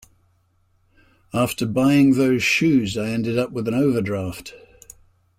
After buying those shoes I ended up with an overdraft